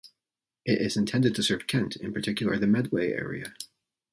It is intended to serve Kent, in particular the Medway area.